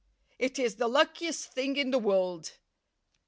"It is the luckiest thing in the world.